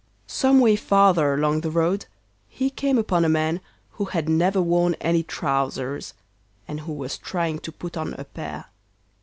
Some way farther along the road he came upon a man who had never worn any trousers, and who was trying to put on a pair.